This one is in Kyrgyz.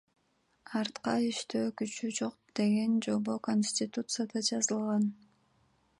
Артка иштөө күчү жок деген жобо Конституцияда жазылган.